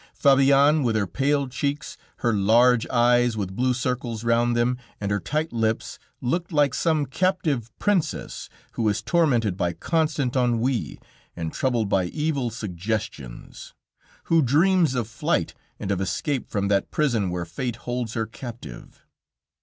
Fabienne, with her pale cheeks, her large eyes with blue circles round them and her tight lips, looked like some captive princess who is tormented by constant ennui, and troubled by evil suggestions; who dreams of flight, and of escape from that prison where fate holds her captive.